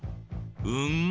うん？